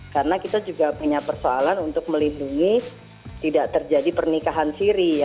karena kita juga punya persoalan untuk melindungi tidak terjadi pernikahan siri ya